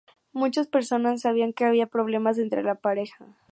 Muchas personas sabían que había problemas entre la pareja.".